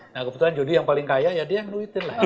nah kebetulan jody yang paling kaya ya dia ngeluitin lah